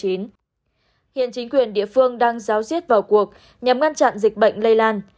hiện chính quyền địa phương đang giáo diết vào cuộc nhằm ngăn chặn dịch bệnh lây lan